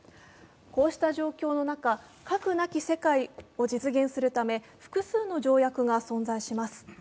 こうした状況の中、核なき世界を実現するため複数の条約が存在します。